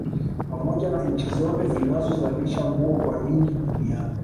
Pamoja na nchi zote zinazozalisha nguo kwa wingi Duniani